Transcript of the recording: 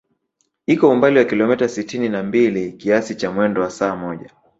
Iko umbali wa kilomita sitini na mbili kiasi cha mwendo wa saa moja